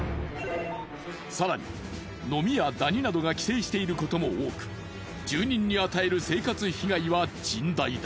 更にノミやダニなどが寄生している事も多く住人に与える生活被害は甚大だ。